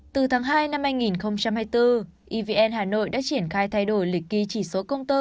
từ tháng hai năm hai nghìn hai mươi bốn evn hà nội đã triển khai thay đổi lịch ghi chỉ số công tơ